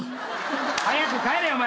早く帰れよお前。